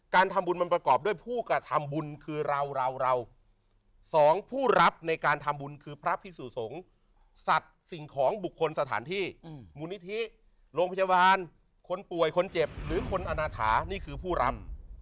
การทำบุญมันประกอบด้วยผู้กระทำบุญคือเราเราสองผู้รับในการทำบุญคือพระพิสุสงฆ์สัตว์สิ่งของบุคคลสถานที่มูลนิธิโรงพยาบาลคนป่วยคนเจ็บหรือคนอนาถานี่คือผู้รับ